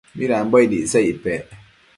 midambo aid icsa icpec ?